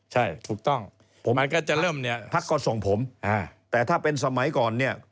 ใช่ถูกต้องพักก็ส่งผมแต่ถ้าเป็นสมัยก่อน